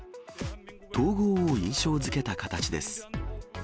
統合を印象づけた形です。